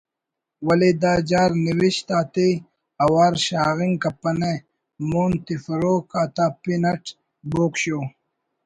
ولے دا جار نوشت آتے اوار شاغنگ کپنہ مون تفروک آتا پن اٹ ”بوگ شو“